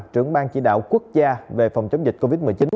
trưởng ban chỉ đạo quốc gia về phòng chống dịch covid một mươi chín